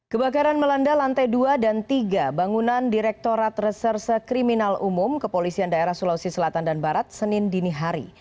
kebakaran melanda lantai dua dan tiga bangunan direktorat reserse kriminal umum kepolisian daerah sulawesi selatan dan barat senin dinihari